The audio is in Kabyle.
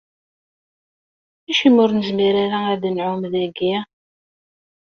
Acimi ur nezmir ara ad nɛumm dagi?